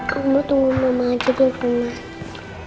kamu tunggu mama aja deh rumah